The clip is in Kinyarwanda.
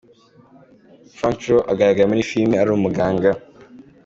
Frank Joe agaragara muri iyi filime ari umuganga.